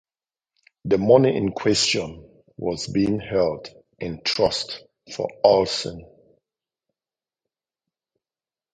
The money in question was being held in trust for Olson.